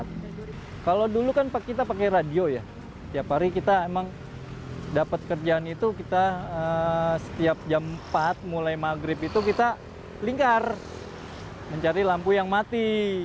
kalau saya sudah dua ribu empat kalau dulu kan kita pakai radio ya tiap hari kita memang dapat kerjaan itu kita setiap jam empat mulai maghrib itu kita lingkar mencari lampu yang mati